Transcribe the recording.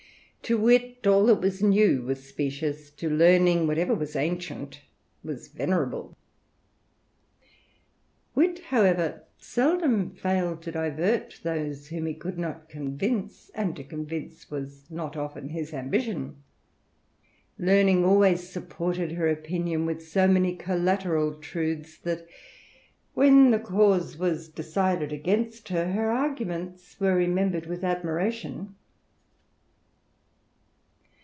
To Wit, all that was new was specious; to Learning, whatever was ancient was venerable. Wit however seldom failed to divert those whom he could not convince, and to convince was not often his ambition ; Learning always supported her opinion with so many collateral truths, that when the cause was decided against her, her arguments were remembered with admiration.